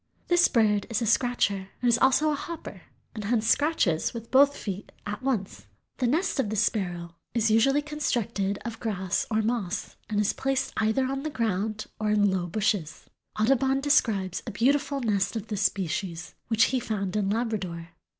This bird is a scratcher. It is also a hopper and hence scratches with both feet at once. The nest of this Sparrow is usually constructed of grass or moss and is placed either on the ground or in low bushes. Audubon describes a beautiful nest of this species which he found in Labrador.